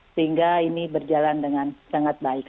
sehingga ini berjalan dengan sangat baik